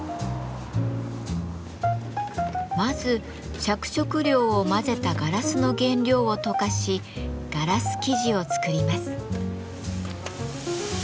まず着色料を混ぜたガラスの原料を溶かしガラス素地を作ります。